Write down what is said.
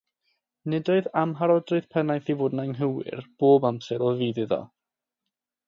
Nid oedd amharodrwydd Pennaeth i fod yn anghywir bob amser o fudd iddo.